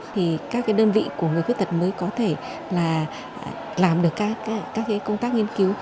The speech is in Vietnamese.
thì các đơn vị của người khuyết tật mới có thể làm được các công tác nghiên cứu